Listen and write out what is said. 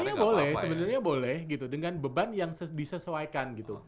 sebenarnya boleh sebenarnya boleh gitu dengan beban yang disesuaikan gitu